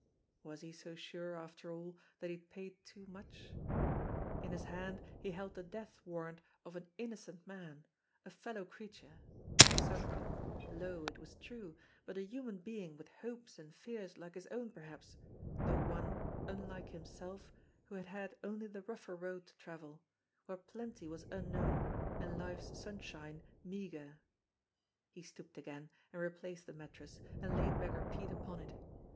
Was he so sure after all that he had paid too much ? In his hand he held the death warrant of an innocent man, a fellow creature, sunken, low, it was true, but a human being with hopes and fears like his own perhaps, though one, unlike himself, who had had only the rougher road to travel, where plenty was unknown and life's sunshine meagre. He stooped again, and replaced the mattress, and laid Beggar Pete upon it.